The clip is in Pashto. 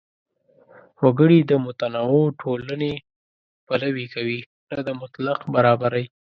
وګړي د متنوع ټولنو پلوي کوي، نه د مطلق برابرۍ.